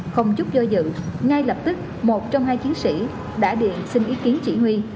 không chút dơi dự ngay lập tức một trong hai chiến sĩ đã điện xin ý kiến chỉ huy